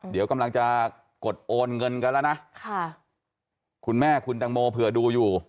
เดี๋ยวกำลังจะกดโอนเงินกันแล้วนะค่ะคุณแม่คุณตังโมเผื่อดูอยู่